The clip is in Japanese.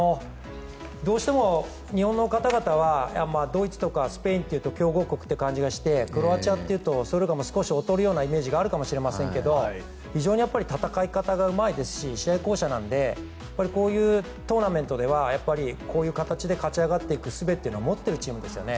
どうしても日本の方々はドイツとかスペインっていうと強豪国って感じがしてクロアチアというと少し劣るようなイメージがあるかもしれませんけど非常に戦い方がうまいですし試合巧者なのでこういうトーナメントではやっぱり、こういう形で勝ち上がっていくすべを持っているチームですよね。